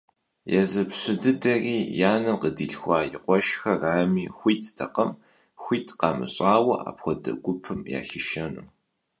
Езы пщы дыдэри, и анэм къыдилъхуа и къуэшрами, хуиттэкъым хуит къамыщӏауэ апхуэдэ гупым яхишэну.